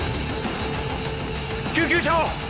救急車を！